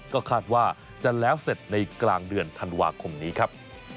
ก็คาดว่าจะแล้วเสร็จในกลางเดือนธันวาคมนี้ครับ